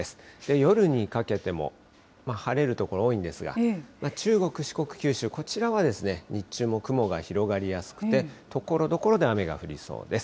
夜にかけても晴れる所多いんですが、中国、四国、九州、こちらは日中も雲が広がりやすくて、ところどころで雨が降りそうです。